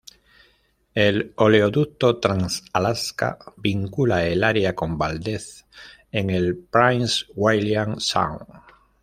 El oleoducto Trans-Alaska vincula el área con Valdez, en el Prince William Sound.